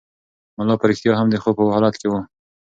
ملا په رښتیا هم د خوب په حالت کې و.